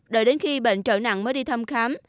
đợi đến khi bệnh trở nặng mới đi thăm khám